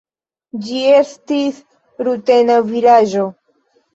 Ĝi estis rutena vilaĝo.